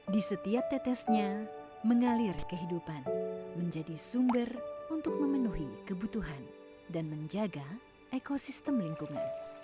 di setiap tetesnya mengalir kehidupan menjadi sumber untuk memenuhi kebutuhan dan menjaga ekosistem lingkungan